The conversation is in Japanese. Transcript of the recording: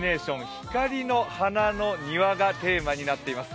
「光の花の庭」がテーマになっています。